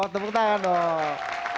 tepuk tangan dong